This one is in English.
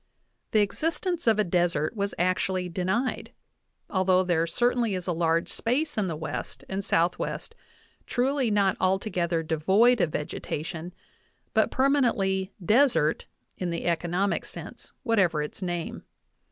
The existence of a desert was actually denied, although there certainly is a large space in the West and Southwest truly not altogether devoid of vegetation, but per manently "desert" in the economic sense, whatever its name.